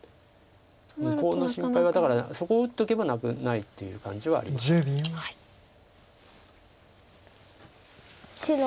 コウの心配はだからそこを打っとけばないっていう感じはあります。